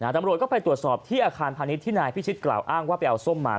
ตำรวจก็ไปตรวจสอบที่อาคารพาณิชย์ที่นายพิชิตกล่าวอ้างว่าไปเอาส้มมา